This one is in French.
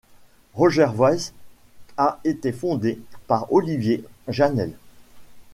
Rogervoice a été fondé par Olivier Jeannel.